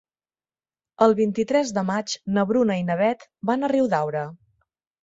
El vint-i-tres de maig na Bruna i na Beth van a Riudaura.